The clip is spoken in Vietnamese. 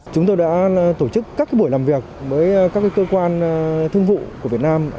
chúng tôi đã tổ chức các buổi làm việc với các cơ quan thương vụ của việt nam